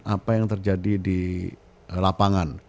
apa yang terjadi di lapangan